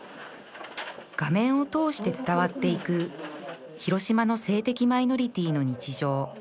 画面を通して伝わっていく広島の性的マイノリティーの日常